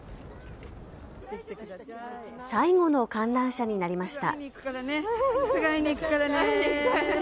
最後の観覧者になりました。